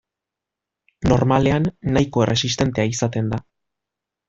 Normalean, nahiko erresistentea izaten da.